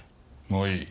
もういい。